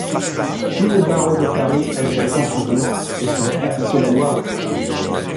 Tout le barreau de Paris agirait contre vous, et ferait appliquer la loi!